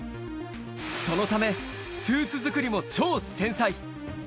そのため、スーツ作りも超繊細。